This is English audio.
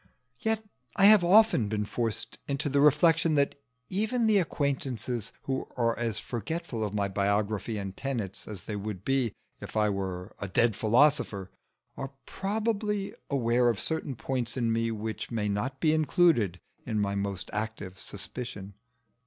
Yet I have often been forced into the reflection that even the acquaintances who are as forgetful of my biography and tenets as they would be if I were a dead philosopher, are probably aware of certain points in me which may not be included in my most active suspicion.